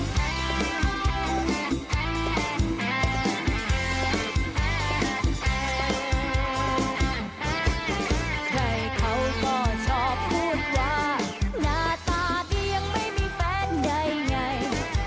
ใครเขาก็ชอบพูดว่าหน้าตาพี่ยังไม่มีแฟนใดไง